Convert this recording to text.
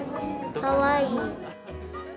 かわいい。